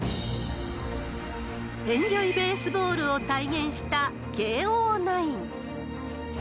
エンジョイ・ベースボールを体現した慶応ナイン。